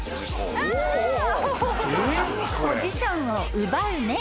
［ポジションを奪う猫］